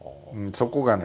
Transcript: そこがね